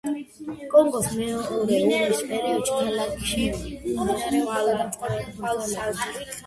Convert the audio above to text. კონგოს მეორე ომის პერიოდში ქალაქში მიმდინარეობდა გადამწყვეტი ბრძოლები.